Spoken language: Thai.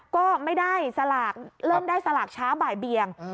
ก็ไม่ได้สลากเริ่มได้สลากช้าบ่ายเบียง